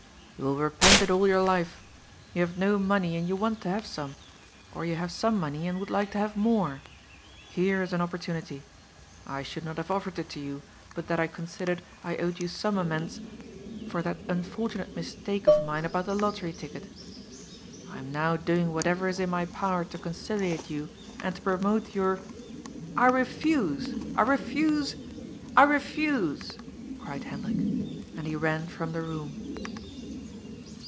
" You will repent it all your life. You have no money and you want to have some. Or you have some money and would like to have more. Here is an opportunity. I should not have offered it to you, but that I considered I owed you some amends for that unfortunate mistake of mine about the lottery ticket. I am now doing whatever is in my power to conciliate you and to promote your " "I refuse. I refuse. I refuse!" cried Hendrik; and he ran from the room.